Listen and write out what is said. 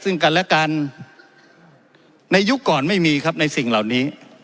ซึ่งกันและกันในยุคก่อนไม่มีครับในสิ่งเหล่านี้